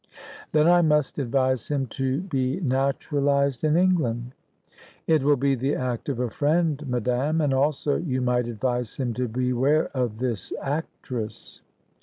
"Then I must advise him to be naturalised in England." "It will be the act of a friend, madame. And also, you might advise him to beware of this actress."